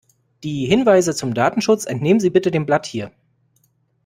Die Hinweise zum Datenschutz entnehmen Sie bitte dem Blatt hier.